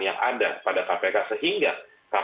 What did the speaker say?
yang ada pada kpk sehingga kpk tidak lagi menjadi perusahaan